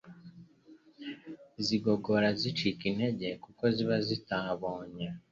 z’igogora zicika intege kuko ziba zitabonye